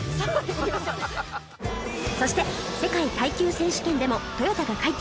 そして世界耐久選手権でもトヨタが快挙